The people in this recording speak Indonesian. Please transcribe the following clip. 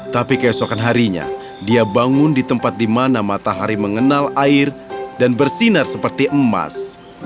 tapi keesokan harinya dia bangun di tempat di mana matahari mengenal air dan bersinar seperti emas